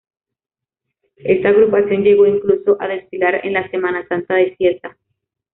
Esta agrupación llegó incluso a desfilar en la Semana Santa de Cieza.